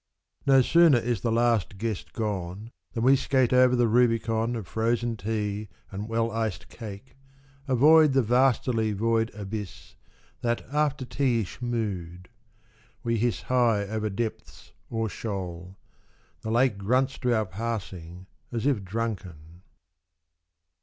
(No sooner is the last guest gone Than we skate over the rubicon Of frozen tea and well iced cake, Avoid the vastily void abyss, That afterteaish mood; we hiss High over depths or shoal. The lake Grunts to our passing as if drunken.)